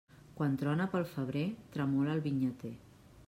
Quan trona pel febrer, tremola el vinyater.